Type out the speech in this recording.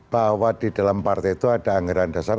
bahwa di dalam partai itu ada anggaran dasar